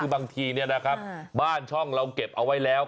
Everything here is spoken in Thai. บางทีเนี่ยนะครับบ้านช่องเราเก็บเอาไว้แล้ว